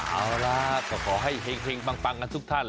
เอาล่ะก็ขอให้เฮงปังกันทุกท่าน